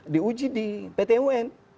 di uji di pt un